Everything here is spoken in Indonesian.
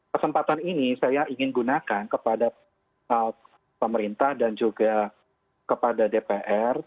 kesempatan ini saya ingin gunakan kepada pemerintah dan juga kepada dpr